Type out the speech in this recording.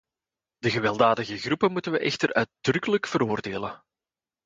De gewelddadige groepen moeten wij echter uitdrukkelijk veroordelen.